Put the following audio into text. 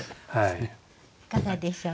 いかがでしょう？